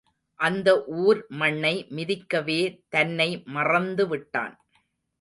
அந்த ஊர் மண்ணை மிதிக்கவே தன்னை மறந்துவிட்டான்.